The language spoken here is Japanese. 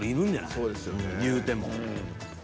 いうても。